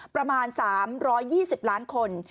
ประมาณสามร้อยยี่สิบล้านคน